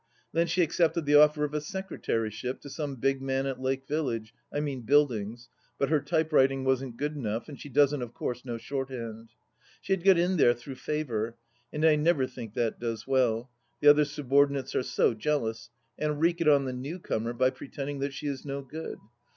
Then she accepted the offer of a secretaryship to some big man at Lake Village — I mean Buildings — ^but her typewriting wasn't good enough, and she doesn't, of course, Imow shorthand. She had got in there through favour, and I never think that does well : the other subordinates are so jealous, and wreak it on the new comer by pretending that she is no good.